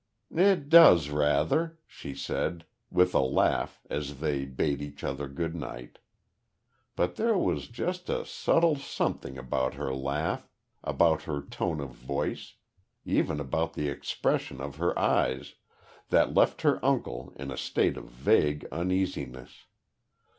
"It does rather," she said, with a laugh as they bade each other good night. But there was just a subtle something about her laugh, about her tone of voice, even about the expression of her eyes, that left her uncle in a state of vague uneasiness.